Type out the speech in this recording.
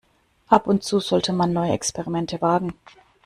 Ab und zu sollte man neue Experimente wagen.